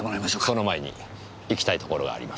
その前に行きたい所があります。